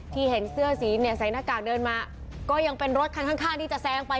เห็นเสื้อสีเนี่ยใส่หน้ากากเดินมาก็ยังเป็นรถคันข้างที่จะแซงไป